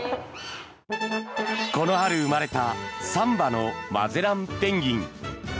この春、生まれた３羽のマゼランペンギン。